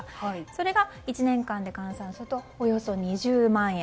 それが１年間で換算するとおよそ２０万円。